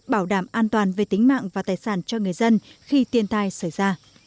bảo đảm an toàn về tính mạng và tài sản cho người dân khi thiên tai xảy ra